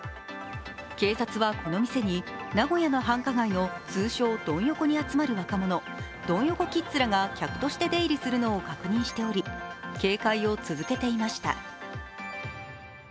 警察は、この店に名古屋の繁華街の通称・ドン横に集まる若者、ドン横キッズらが客として出入りするのを確認しており、警戒を続けていました。